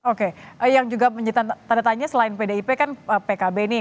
oke yang juga menjadi tanda tanya selain pdip kan pkb nih